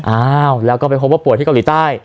อ้าวแล้วก็ไปพบว่าป่วยที่เกาหลีใต้